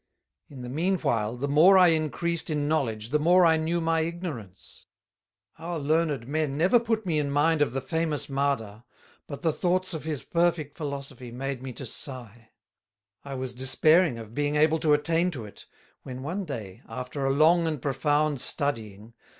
In the mean while, the more I encreased in Knowledge, the more I knew my Ignorance. Our Learned Men never put me in mind of the famous Mada, but the thoughts of his perfect Philosophy made me to Sigh. I was despairing of being able to attain to it, when one day, after a long and profound Studying.